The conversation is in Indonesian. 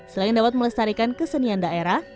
selain dapat melestarikan kesenian daerah